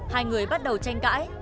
hai người bắt đầu tranh cãi